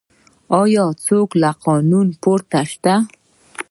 آیا څوک له قانون پورته شته؟